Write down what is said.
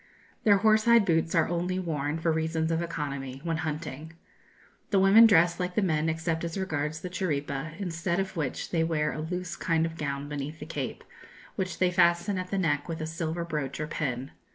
Their horse hide boots are only worn, for reasons of economy, when hunting. The women dress like the men except as regards the chiripa, instead of which they wear a loose kind of gown beneath the cape, which they fasten at the neck with a silver brooch or pin.